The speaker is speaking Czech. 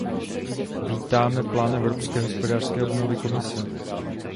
Vítáme plán evropské hospodářské obnovy Komise.